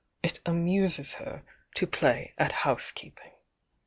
It amuses her to play at housekeeping."